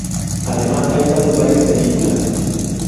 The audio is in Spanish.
Además ha estado en varias películas.